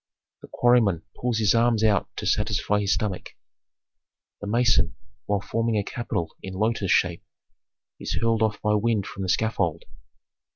The quarryman pulls his arms out to satisfy his stomach. The mason while forming a capital in lotus shape is hurled off by wind from the scaffold.